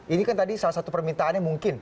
ini kan tadi salah satu permintaannya mungkin